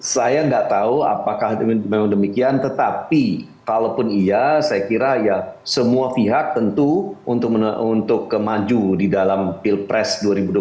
saya nggak tahu apakah memang demikian tetapi kalaupun iya saya kira ya semua pihak tentu untuk kemaju di dalam pilpres dua ribu dua puluh empat